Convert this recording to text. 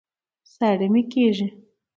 ساړه مي کېږي